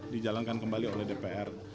dijalankan kembali oleh dpr